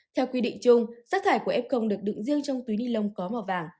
theo quy định chung rác thải của f công được đựng riêng trong túi ni lông có màu vàng